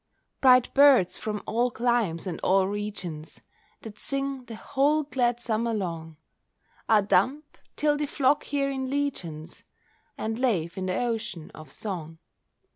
Bright birds from all climes and all regions, That sing the whole glad summer long, Are dumb, till they flock here in legions And lave in the ocean of song.